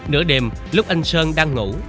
nửa đêm lúc anh sơn đang ngủ